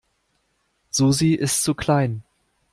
Susi ist zu klein.